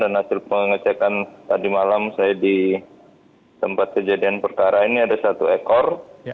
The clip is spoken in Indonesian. hasil pengecekan tadi malam saya di tempat kejadian perkara ini ada satu ekor